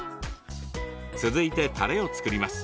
続いて、たれを作ります。